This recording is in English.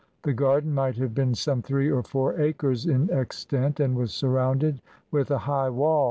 The garden might have been some three or four acres in extent, and was surrounded with a high waU.